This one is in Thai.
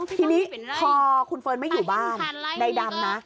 ทีนี้พอคุณเฟิร์นไม่อยู่บ้านนายดำนะ